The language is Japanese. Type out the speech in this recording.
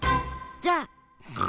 じゃあ。